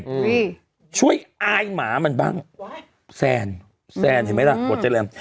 อืมช่วยอายหมามันบ้างแซนแซนเห็นไหมล่ะอ๋อ